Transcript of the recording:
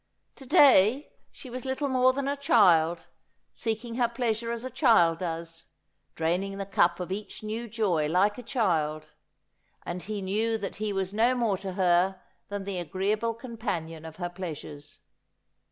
To day she was little more than a child, seeking her pleasure as a child does, draining the cup of each new joy like a child ; and he knew that he was no more to her than the agreeable companion of her pleasures.